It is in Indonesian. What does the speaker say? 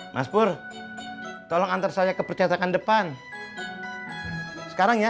mas pur tolong antar saya ke percatakan depan sekarang ya